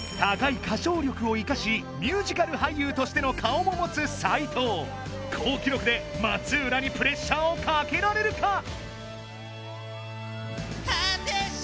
高い歌唱力を生かしミュージカル俳優としての顔も持つ斎藤好記録で松浦にプレッシャーをかけられるか？